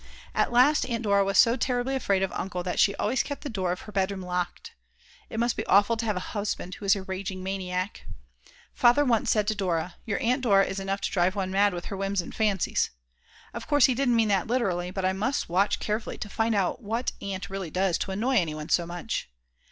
At last Aunt Dora was so terribly afraid of Uncle that she always kept the door of her bedroom locked. It must be awful to have a husband who is a raging maniac. Father once said to Dora: your Aunt Dora is enough to drive one mad with her whims and fancies. Of course he didn't mean that literally, but I must watch carefully to find out what Aunt really does to annoy anyone so much.